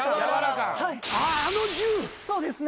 そうですね。